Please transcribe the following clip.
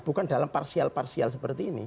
bukan dalam parsial parsial seperti ini